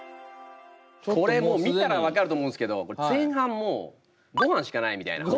これもう見たら分かると思うんですけど前半もうごはんしかないみたいな。